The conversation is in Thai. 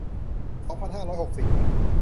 สองพันห้าร้อยหกสิบ